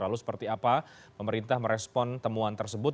lalu seperti apa pemerintah merespon temuan tersebut